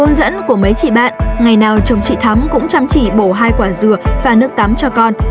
hướng dẫn của mấy chị bạn ngày nào chồng chị thắm cũng chăm chỉ bổ hai quả dừa và nước tắm cho con